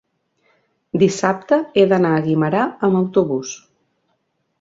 dissabte he d'anar a Guimerà amb autobús.